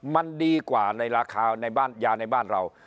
มันดีกว่าในราคาในบ้านยาในบ้านเรา